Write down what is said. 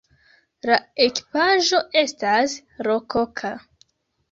La ekipaĵo estas rokoka.